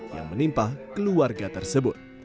yang menimpa keluarga tersebut